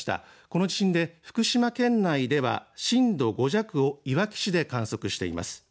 この地震で福島県内では震度５弱をいわき市で観測しています。